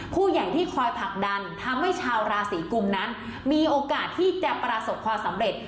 ผู้ใหญ่ที่คอยผลักดันทำให้ชาวราศีกุมนั้นมีโอกาสที่จะประสบความสำเร็จ